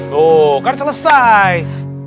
tuh kan selesai